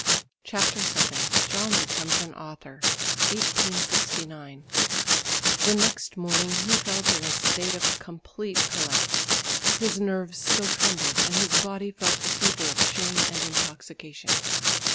CHAPTER VII JOHN BECOMES AN AUTHOR (1869) The next morning he felt in a state of complete collapse. His nerves still trembled and his body felt the fever of shame and intoxication.